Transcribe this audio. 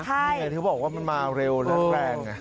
มีใครที่บอกว่ามันมาเร็วนานแรก